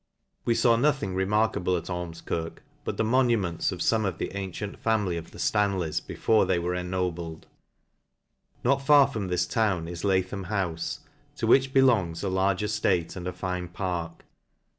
We law nothing remarkable at Ormjkirk, but the monuments of forne of the antient family of the Stanleys before they were ennobled. Not far from this town is Lathom Houfe \ to which belongs a large eftate, and a fine park.